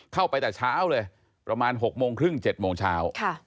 เข้าไปแต่เช้าเลยประมาณ๖โมงครึ่ง๗โมงเช้า